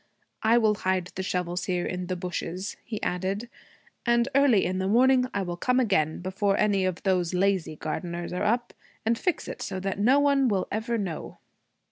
'I will hide the shovels here in the bushes,' he added, 'and early in the morning I will come again, before any of those lazy gardeners are up, and fix it so that no one will ever know.'